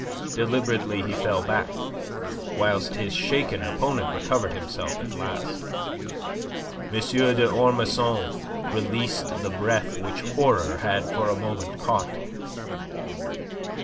Deliberately he fell back, whilst his shaken opponent recovered himself at last. M. d'Ormesson released the breath which horror had for a moment caught.